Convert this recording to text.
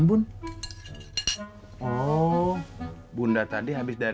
itu si siapa